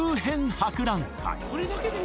博覧会